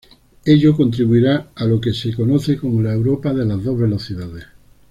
Ello contribuirá a lo que se conoce como la Europa de las dos velocidades.